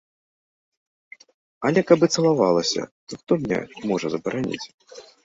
Але каб і цалавалася, то хто мне можа забараніць?